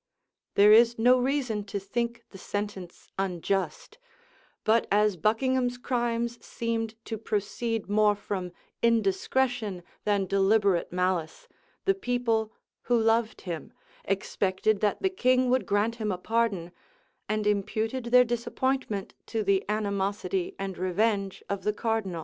There is no reason to think the sentence unjust;[*] but as Buckingham's crimes seemed to proceed more from indiscretion than deliberate malice, the people, who loved him, expected that the king would grant him a pardon, and imputed their disappointment to the animosity and revenge of the cardinal.